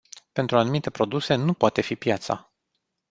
Pentru anumite produse, nu poate fi piața.